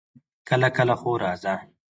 کله کله خو راځه!